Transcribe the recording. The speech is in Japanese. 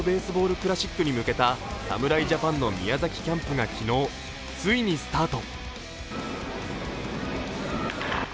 クラシックに向けた侍ジャパンの宮崎キャンプが昨日、ついにスタート。